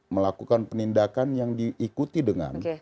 melakukan penindakan yang diikuti dengan